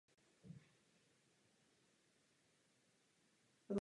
Při střetu s německými tanky byl zraněn a později vyznamenán Řádem rudého praporu.